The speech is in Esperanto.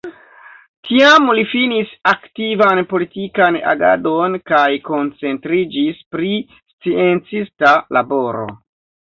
Tiam li finis aktivan politikan agadon kaj koncentriĝis pri sciencista laboro.